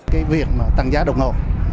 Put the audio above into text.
cái việc tăng giá độc ngộ